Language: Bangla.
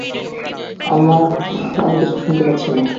আমান আমি কিছু শুনতে পাচ্ছি না।